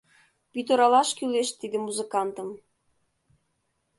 «Пӱтыралаш кӱлеш тиде музыкантым.